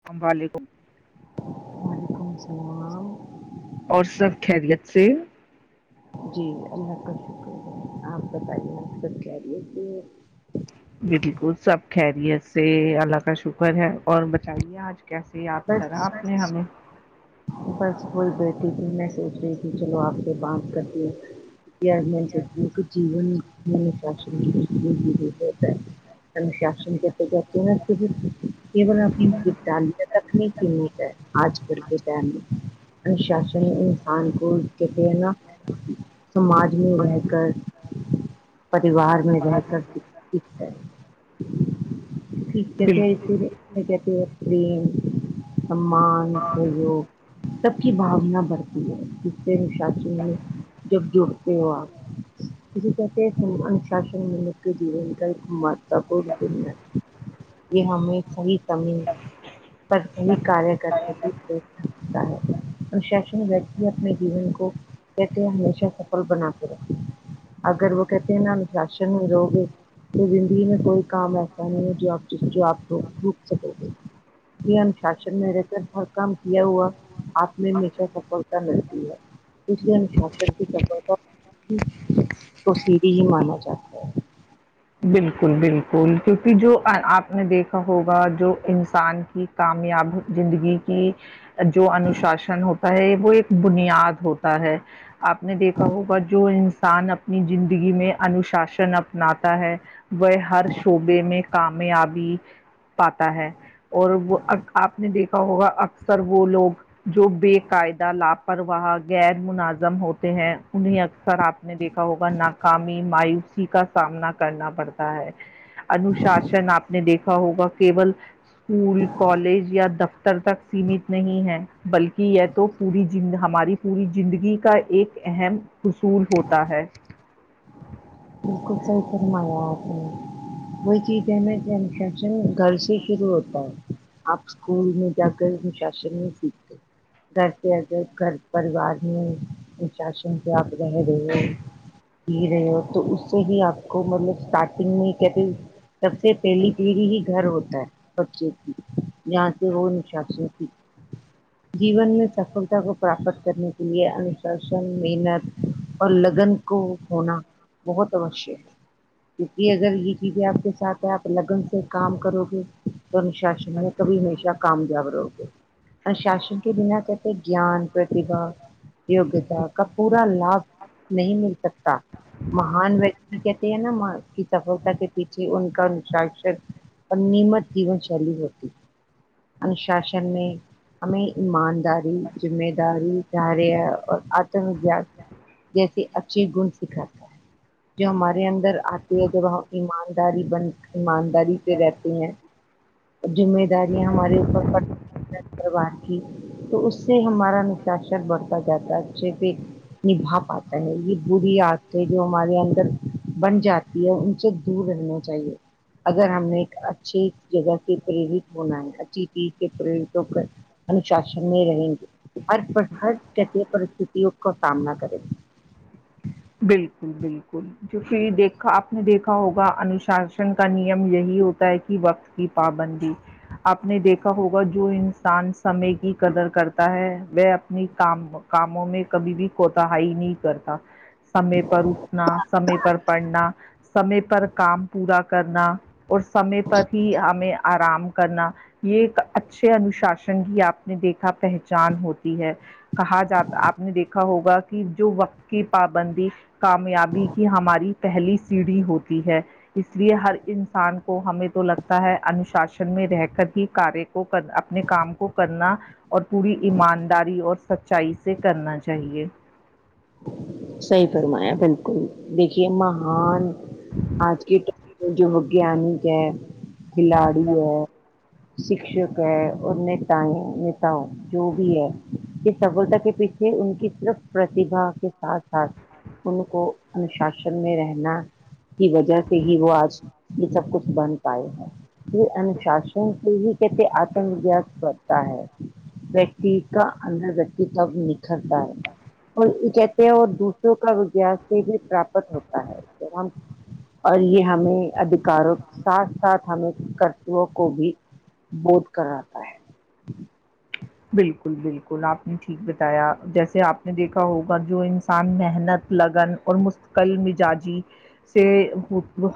اسلام علیکم وعلیکم السلام اور سب خیریت سے جی اللہ کا شکر ہے آپ بتائیے آپ خیریت بالکل سب خیریت سے اللہ کا شکر ہے اور بتائیے آج کیسے یاد کرا بس آپ نے ہمیں بس کوئی بیٹی تھی میں سوچ ریی چلو آپ سے بات کرتے [inaudible] [inaudible] [inaudible] انوشاسن انسان کو کہتے ہے نا سماج میں رہے کر پریوار میں رہ کر بال ٹھیک ریم سمان سوگ سب کی بھونا بڑھتی ہے اس سے ہشا چیے جب جڑتے ہو آپ ان شاصن ملک ج کا بار پورن کر [unintelligible] یہ ہمیں صحیح کمی پر سی کاریہ کرنے کی دیتا ہے انششن وتی اپنے جیون کو کہتے ہمیشہ سفل بنا کرے اگر وہ کہتے ہیں ان نہ شاشن میں رو گے تو زندگی میں کوئی کام ایسا نہیں ہے جو آپ جو آپ روک سکو گے ج ان شاسن میں رہ کر ہر کام یہ وقت آپ میں ہمیشہ سفلتا ملتی ہے اسے انشاسن کی س توسیری ہی مانا جاتا ہے بالکل بالکل کیونکہ جو آپ نے دیکھا ہوگا جو انسان کی کامیاب زندگی کی جو انوشاسن ہوتا ہے وہ ایک بنیاد ہوتا ہے آپ نے دیکھا ہوگا جو انسان اپنی زندگی میں انوشاسن اپناتا ہے وہ ہر شعبے میں کامیابی پاتا ہے اور وہ آپ نے دیکھا ہوگا اکثر وہ لوگ جو بے قاعدہ لاپرواہ غیر مناظم ہوتے ہیں انہیں اکثر آپ نے دیکھا ہوگا ناکامی مایوسی کا سامنا کرنا پڑتا انوشاسن آپ نے دیکھا ہوگا کیول اسکول کالج یا دفتر تک سیمت نہیں ہے بلکہ یہ تو پوری ہماری پوری زندگی کا ایک اہم اصول ہوتا ہے بالکل صحیح فرمایا آپ نے وہی چیز ہے نا کہ انفشن گھر سے شروع ہوتا ہے آپ اسکول میں جا کر انشاسن میں سیکھتے گھر کے گھر پریوار میں شاشن سے آپ رہ رہے ہو ج رہے ہو تو اس سے ہی آپ کو مطلب اسٹارٹنگ میں کہتے سب سے پہلی پیڑھی ہی گھر ہوتا ہے بچے تھی جاں سے وہ نشا تھی جیون میں سفلتا کو پراپت کرنے کے لیے انشاسن محنت اور لگن کو ہونا بہت اوشیہ ہے کی کہ اگر یہ چیزیں آپ کے ساتھ ہے آپ لگن سے کام کرو گے تو انشاسن میں بھی ہمیشہ کامیاب رہو گے اور شاشن کے بنا کہتے گیان پرتیبا یوگتا کا پورا لابھ نہیں مل سکتا مہان ویکتی کہتے ہیں نا اس کی سفلتا کے پیچھے ان کا انشاسن اور نمت جین شیلی ہوتی ان شاسن میں ہمیں ایمانداری ذمہ داری چرے اور آتم ویاس جیسے اچھی گن سیکھاتا ہے جو ہمارے اندر آتے ہے جب ہم ایمانداری بن ایمانداری پہ رہتے ہیں اور ذمہ داریاں ہمارے اوپر پڑتی پروار کی تو اس سے ہمارا نشاسر بڑھتا جاتا ہے ج بھی نبھا پاتا ہے یہ بری ات کہ جو ہمارے اندر بن جاتی ہے ان سے دور رہنا چاہیے اگر ہم نے ایک اچھی جگہ سے پرت ہونا ہے اچھی چیز سے پرت ہو کر انشاسن میں رہیں گے ہر پر ہر جسے پرستتوں کا سامنا کریں گے بالکل بالکل جو پھر دیکھا آپ نے دیکھا ہوگا انوشاسن کا نیم یہی ہوتا ہے کی وقت کی پابندی آپ نے دیکھا ہوگا جو انسان سمے کی قدر کرتا ہے وہ اپنی کام کاموں میں کبھی بھی کوتاہاہی نہیں کرتا سمے پر اٹھنا سمے پر پڑھنا سمے پر کام پورا کرنا اور سمے پر ہی ہمیں آرام کرنا یے ایک اچھے انوشاسن بھی آپ نے دیکھا پہچان ہوتی ہے کہا جاتا آپ نے دیکھا ہوگا کی جو وقت کی پابندی کامیابی کی ہماری پہلی سیڑھی ہوتی ہے اس لیے ہر انسان کو کو ہمیں تو لگتا ہے انوشاسن میں رہ کر ہی کار کو کر اپنے کام کو کرنا اور پوری ایمانداری اور سچائی سے کرنا چاہیے صحیح فرمایا بالکل دیکھیے مہان آج کے ٹائم جو وگیانک ہے کھلاڑی ہے شکشک ہے اور نتایں نیتاؤ جو بھی ہے یے سفلتا کے پیچھے ان کی طرف پرتبا کے ساتھ ساتھ ان کو انوشاسن میں رہنا کی وجہ سے ہی وہ آج یے سب کچھ بن پائے ہیں انوشاسن سے ہی کیسے آتم ویاس کرتا ہے کا اندر ویکتی تب نکھرتا ہے اور یے کہتے ہیں اور دوسر روں کا وگس سے بھی پراپت ہوتا ہے ہم اور یہ ہمیں ادھیکاروں کے ساتھ ساتھ ہمیں کرتووں کو بھی بود کر اتا ہے بالکل بالکل آپ نے ٹھیک بتایا جیسے آپ نے دیکھا ہوگا جو انسان محنت لگن اور مستقل مزاجی سے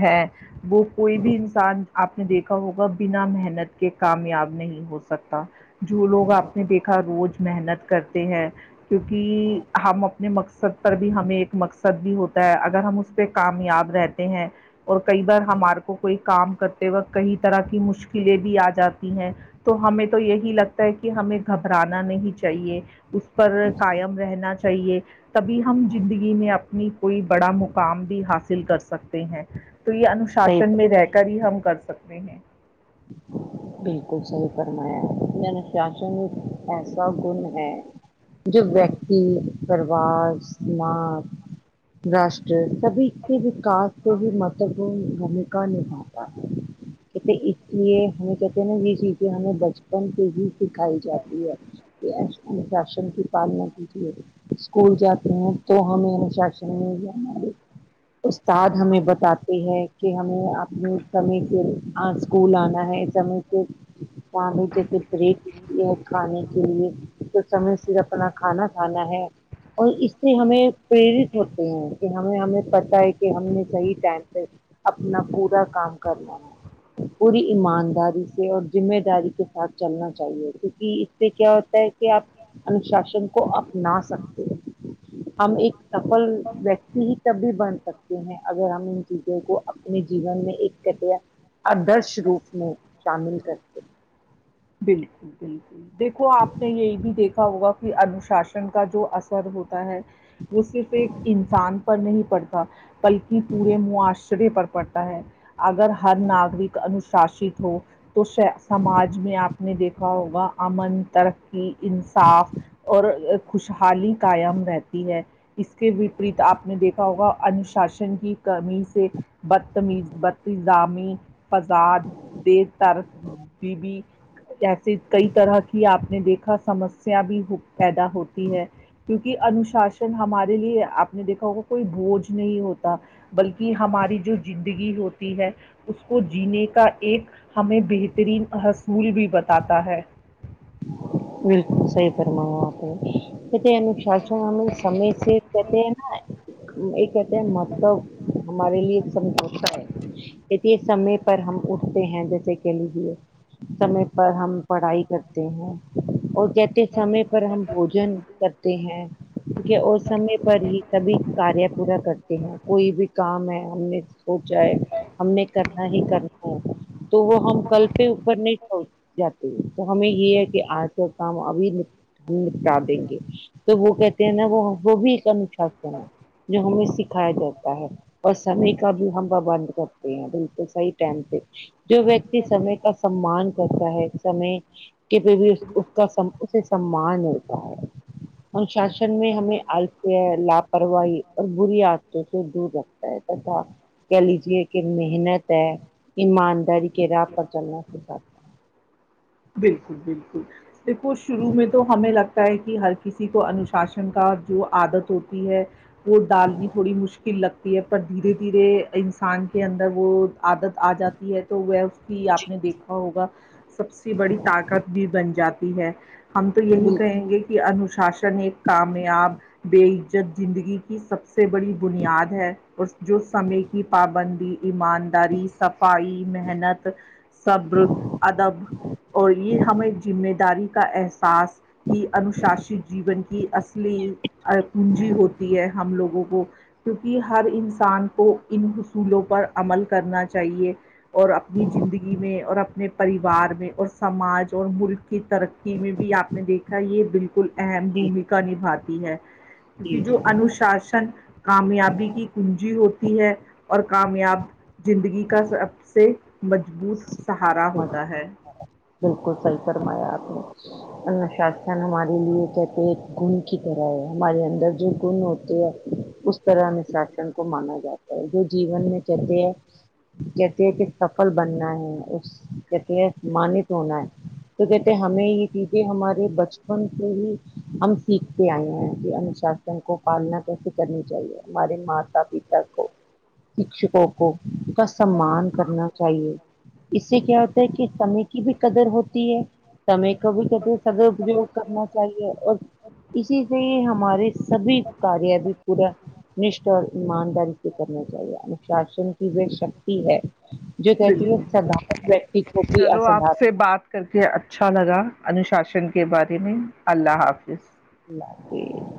ہے وہ کوئی بھی انسان آپ نے دیکھا ہوگا بنا محنت کے کامیاب نہیں ہو سکتا جو لوگ اپنے دیکھا روز محنت کرتے ہیں کیونکی ہم اپنے مقصد پر بھی ہمیں ایک مقصد بھی ہوتا ہے اگر ہم اس پے کامیاب رہتے ہیں اور کئی بار ہمارے کو کوئی کام کرتے وقت کئی طرح کی مشکلیں بھی آ جاتی ہیں تو ہمیں تو یہی لگتا ہے کی کہ ہمیں گھبرانا نہیں چاہیے اس پر قائم رہنا چاہیے تبھی ہم زندگی میں اپنی کوئی بڑا مقام بھی حاصل کر سکتے ہیں تو یے صحیح انوشاسن میں رہ کر ہی ہم کر سکتے ہیں بالکل صحیح فرمایا میں نے انوشاسن ایک ایسا گن ہے جو ویکتی پروار سماج راشٹر سبھی کے وکاس سے ہی مہتوپورن بھومیکا نبھاتا ہے کہتے اس لیے ہمیں کہتے ہیں نا یے چیزیں ہمیں بچپن سے ہی سکھائی جاتی ہے کہ اس انوساشن کی پالنا کیجیے اسکول جاتے ہیں تو ہمیں انوشاشن نے ہی ہمارے استاد ہمیں بتاتے ہے کہ ہمیں اپنے سمے کے آن اسکول آنا ہے سامے سے جسے بریک یے کھانے کے لیے تو سمے سے اپنا کھانا کھانا ہے اور اس سے ہمیں پریرت ہوتے ہیں کہ ہمیں ہمیں پتہ ہے کی کہ ہم نے صحیح ٹائم پے اپنا پورا کام کر لینا ہے پوری ایمانداری سے اور ذمہ داری کے ساتھ چلنا چاہیے کیونکی سے کیا ہوتا ہے کی آپ انوشاسن کو اپنا سکتے ہیں ہم ایک سفل ویکتی ہی تب ہی بن سکتے ہیں اگر ہم چیزوں کو اپنے جیون میں ایک کٹیا آدرش روپ میں شامل کرتے ہیں بالکل بالکل دیکھو آپ نے یہی بھی دیکھا ہوگا کی انوشاسن کا جو اثر ہوتا ہے وہ صرف ایک انسان پر نہیں پڑتا بلکہ پورے معاشرے پر پڑتا ہے اگر ہر ناگرک انوشاست ہو تو سماج میں آپ نے دیکھا ہوگا امن ترقی انصاف اور خوشحالی قائم رہتی ہے اس کے وپریت آپ نے دیکھا ہوگا انو شاسن کی کمی سے بدتمیز بد ظامی فزاد د تر بیبی جسے کئی طرح کی آپ نے دیکھا سمسیا بھی پیدا ہوتی ہے کیونکہ انوشاسن ہمارے لیے آپ نے دیکھا ہوگا کوئی بوجھ نہیں ہوتا بلکہ ہماری جو زندگی ہوتی ہے اس کو جینے کا ایک ہمیں بہترین حصول بھی بتاتا ہے بالکل صحیح فرمایا آپنے کہتے انو شاسن ہمیں سمے سے کہتے ہیں نا یہ کہتے ہیں مطلب ہمارے لیے سمجھوتا ہے دیکھیےسمے پر ہم اٹھتے ہیں جیسے کہہ لیجے سمے پر ہم پڑھائی کر تے ہیں اور کہتے سمے پر ہم بھوجن کرتے ہیں ٹیک ہے اور سمے پر ہی سبھی کاریہ پورا کرتے ہیں کوئی بھی کام ہے ہم نے ہو جائے ہم نے کرنا ہی کرنا ہے تو وہ ہم کل پر اوپر نہیں چھوڑ جاتے ہمیں یہ ہے کہ آج کا کام ابھی ہم نپٹا دیں گے تو وہ کہتے ہیں نا وہ وہ بھی ایک انوشاسن ہے جو ہمیں سکھایا جاتا ہے اور سمے کا بھی ہم پربند کرتے ہیں بالکل صحیح ٹائم پ جو ویکتی سمے کا سمان کرتا ہے سمے پہ بھی اس کا اسے سمان ہوتا ہے انشاسن میں ہمیں لاپرواہی اور بری عادتوں سے دور رکھتا ہے [unintelligible] کہہ لیجے کہ محنت ہے ایمانداری کے راہ پر چلنا سکھاتا بالکل بالکل دیکھو شروع میں تو ہمیں لگتا ہے کہ ہر کسی کو انوشاسن کا جو عادت ہوتی ہے وہ ڈالنی تھوڑی مشکل لگتی پر دھیرے دھیرے انسان کے اندر وہ عادت آ جاتی ہے تو وہ اس کی آپ نے دیکھا ہوگا سب سے بڑی طاقت بھی بن جاتی ہے ہم تو یہی بالکل کہیں گے کہ انوشاسن ایک کامیاب بے عزت زندگی کی سب سے بڑی بنیاد ہے اور جو سمے کی پابندی ایمانداری صفائی محنت صبر ادب اور یہ ہمیں ذمہ داری کا احساس ہی انوشاست جیون کی اصلی کنجی ہوتی ہے ہم لوگوں کو کیونکہ ہر انسان کو ان حصولوں پر عمل کرنا چاہیے اور اپنی زندگی میں اور اپنے پریوار میں اور سماج اور ملک ترقی میں بھی آپ نے دیکھا یہ بالکل اہم بھومیکا نبھاتی ہے کیونکی جی جی جو انوشاسن کامیابی کی کنجی ہوتی ہے اور کامیاب زندگی کا سب سے مضبوط سہارا ہوتا ہے بالکل صحیح فرمایا آپ نے انوشاسن ہمارے لیے کہتے ایک گن کی طرح ہے ہمارے اندر جو گن ہوتے ہیں اس طرح انوشاسن کو مانا جاتا ہے جو جیون میں چلتے ہیں کہتے ہے کہ سفل بننا ہے اس کہتے مانت ہونا ہے تو کہتے ہے ہمیں یہ چیزیں ہمارے بچپن سے ہی ہم سیکھتے آئے ہیں یہ انوشاسن ان کو پالنا کیسے کرنی چاہیے ہمارے ماتا پتا کو شکشکوں کو کا سمان کرنا اس سے کیا ہوتا ہے کہ سمے کی بھی قدر ہوتی ہے کبھی کبھی سدپیوگ کرنا چاہیے اور اسی سے ہی ہمارے سبھی کاریہ بھی پورا نشٹ اور ایمانداری سے کرنا چاہیے انشاسن کی جو شکتی ہے جو کہتی ہے سدھارن ویکتی کو بھی چلو آپ اسدھارن سے بات کر کے اچھا لگا انوشاسن کے بارے میں اللہ حافظ [unintelligible]